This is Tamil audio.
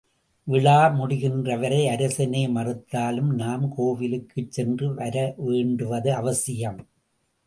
விழா முடிகின்றவரை அரசனே மறுத்தாலும் நாம் கோவிலுக்குச் சென்று வரவேண்டுவது அவசியம்!